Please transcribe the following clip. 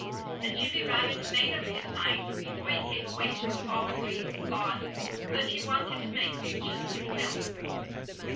And Jimmy Rabbit made up his mind, before he came away from Farmer Green's barn, that he wanted to make pictures himself.